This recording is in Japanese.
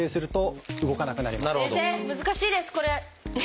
難しいですこれ。